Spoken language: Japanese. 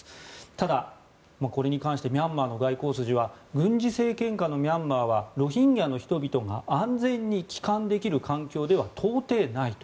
ただ、これに関してミャンマーの外交筋は軍事政権下のミャンマーはロヒンギャの人々が安全に帰還できる環境では到底ないと。